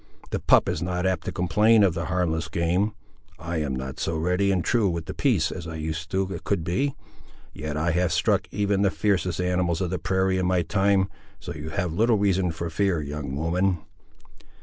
The pup is not apt to complain of the harmless game. I am not so ready and true with the piece as I used to could be, yet I have struck even the fiercest animals of the prairie in my time; so, you have little reason for fear, young woman."